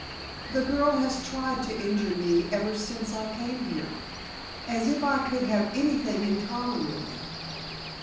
The girl has tried to injure me ever since I came here. As if I could have anything in common with them."